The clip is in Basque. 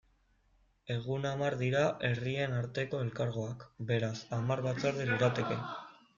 Egun hamar dira herrien arteko elkargoak, beraz, hamar batzorde lirateke.